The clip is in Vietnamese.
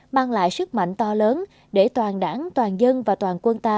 mang lại sức mạnh to lớn để toàn đảng toàn dân và toàn quân ta